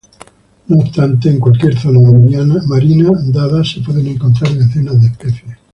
No obstante en cualquier zona marina dada se pueden encontrar decenas de especies.